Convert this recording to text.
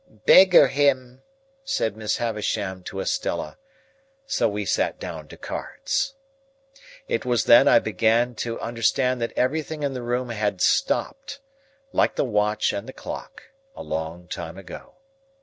"Beggar him," said Miss Havisham to Estella. So we sat down to cards. It was then I began to understand that everything in the room had stopped, like the watch and the clock, a long time ago.